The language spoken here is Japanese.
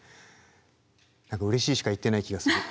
何かうれしいしか言ってない気がする。